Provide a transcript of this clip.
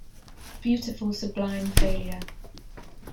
Beautiful sublime failure.